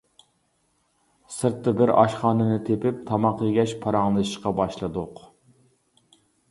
سىرتتا بىر ئاشخانىنى تېپىپ تاماق يېگەچ پاراڭلىشىشقا باشلىدۇق.